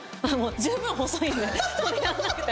十分細いんでそれやらなくても。